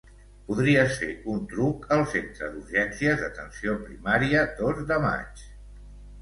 Podries fer un truc al centre d'urgències d'atenció primària Dos de Maig.